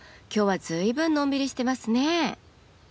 今日はずいぶんのんびりしてますね。